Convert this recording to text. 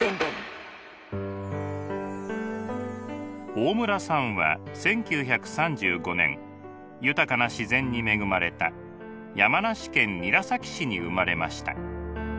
大村さんは１９３５年豊かな自然に恵まれた山梨県韮崎市に生まれました。